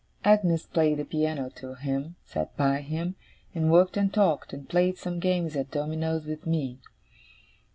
Agnes played the piano to him, sat by him, and worked and talked, and played some games at dominoes with me.